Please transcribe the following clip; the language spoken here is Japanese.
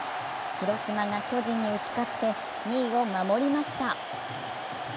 広島が巨人に打ち勝って２位を守りました。